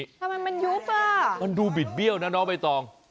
ทำไมมันยุบอ่ะมันดูบิดเบี้ยวนะน้องใบตอง